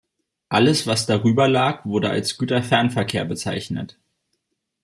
Alles was darüber lag wurde als Güterfernverkehr bezeichnet.